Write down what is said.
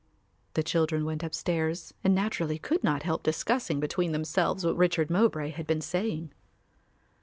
The children went upstairs and naturally could not help discussing between themselves what Richard Mowbray had been saying.